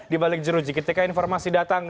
di balik jeruji ketika informasi datang